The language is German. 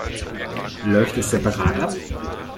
Läuft es separat ab?